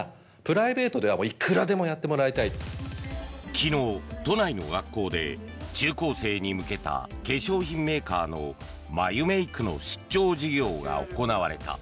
昨日、都内の学校で中高生に向けた化粧品メーカーの眉メイクの出張授業が行われた。